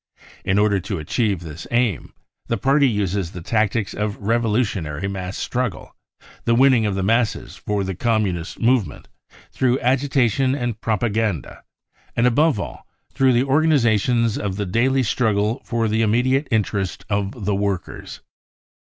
In order to achieve this aim, the party uses the tactics of revolutionary mass struggle, the winning of the masses for the Communist movement through agitation and propaganda, and above all through the 1 THE kEAL INCENDIARIES 79 organisation of thfe daily struggle for the immediate interests of the workers.